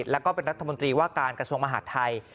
แล้วก็เป็นรัฐมนตรีว่าการกระทรวงมหาดไทย